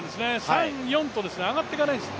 ３、４と上がっていかないんです。